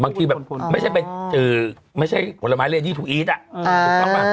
บางทีแบบไม่ใช่ผลไม้เรียนที่ทูอีสอ่ะ